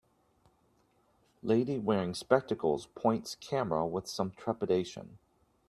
Lady wearing spectacles points camera with some trepidation.